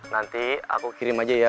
nanti aku kirim aja ya